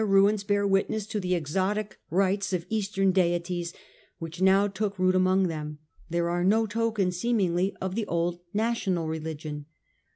ruins bear witness to the exotic rites of eastern deities which now took root among them, there are no tokens seemingly of the old national religion.